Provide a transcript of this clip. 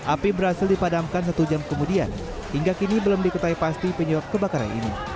api berhasil dipadamkan satu jam kemudian hingga kini belum diketahui pasti penyebab kebakaran ini